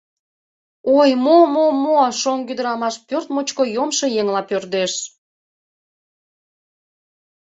Ой, мо-мо-мо... — шоҥго ӱдырамаш пӧрт мучко йомшо еҥла пӧрдеш.